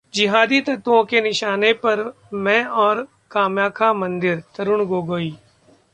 जिहादी तत्वों के निशाने पर मैं और कामाख्या मंदिर: तरुण गोगोई